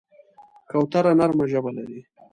کوتره نرمه ژبه لري.